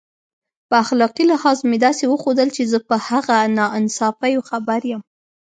په اخلاقي لحاظ مې داسې وښودل چې زه په هغه ناانصافیو خبر یم.